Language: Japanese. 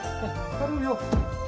頼むよ。